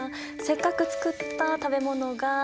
せっかく作った食べ物が。